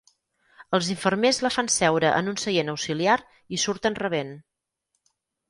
Els infermers la fan seure en un seient auxiliar i surten rabent.